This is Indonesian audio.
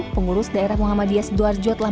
pengurus daerah muhammadiyah sidoarjo telah